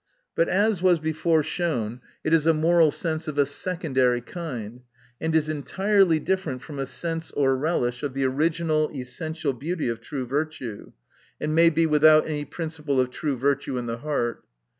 But as was before shown, it is a moral sense of a secondary kind, and is entirely different from a sense or relish of the original essential beauty of true virtue ; and may be without any principle of true virtue in the heart.